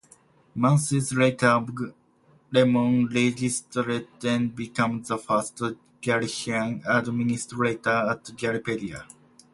Months later Agremon registered and become the first Galician administrator at Galipedia.